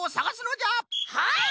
はい！